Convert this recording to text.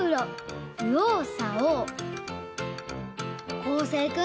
こうせいくん